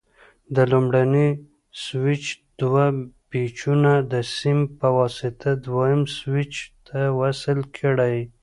د لومړني سویچ دوه پېچونه د سیم په واسطه دویم سویچ ته وصل کړئ.